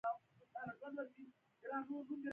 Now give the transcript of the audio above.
د اداري اصلاحاتو دارالانشا ددې برخه ده.